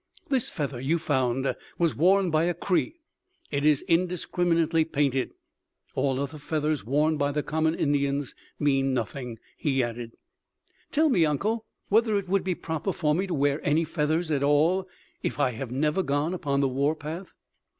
"This feather you have found was worn by a Cree it is indiscriminately painted. All other feathers worn by the common Indians mean nothing," he added. "Tell me, uncle, whether it would be proper for me to wear any feathers at all if I have never gone upon the war path."